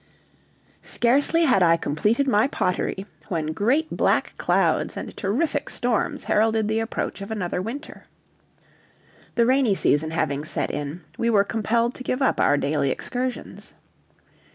Scarcely had I completed my pottery, when great black clouds and terrific storms heralded the approach of another winter. The rainy season having set in, we were compelled to give up our daily excursions.